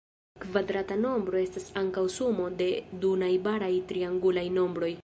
Kvadrata nombro estas ankaŭ sumo de du najbaraj triangulaj nombroj.